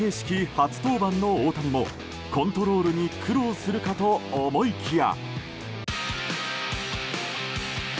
初登板の大谷もコントロールに苦労するかと思いきや。